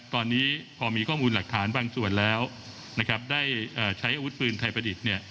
ตอนนี้พอมีข้อมูลหลักฐานบางส่วนแล้วนะครับได้ใช้อาวุธปืนไทยประดิษฐ์เนี่ย